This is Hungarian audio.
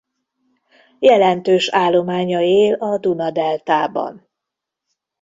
Jelentős állománya él a Duna-deltában.